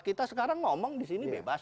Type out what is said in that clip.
kita sekarang ngomong di sini bebas